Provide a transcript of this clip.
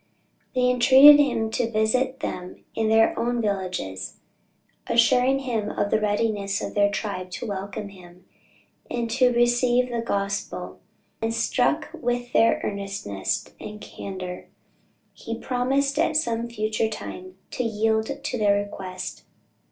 They entreated him to visit them in their own villages, assuring him of the readiness of their tribe to welcome him, and to receive the gospel; and, struck with their earnestness and candor, he promised at some future time to yield to their request.